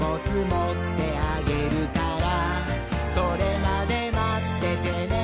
「それまでまっててねー！」